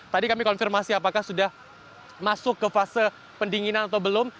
tadi kami konfirmasi apakah sudah masuk ke fase pendinginan atau belum